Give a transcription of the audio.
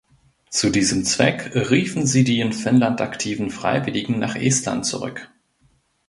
Zu diesem Zweck riefen sie die in Finnland aktiven Freiwilligen nach Estland zurück.